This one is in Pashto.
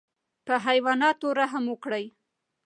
په حیواناتو رحم وکړئ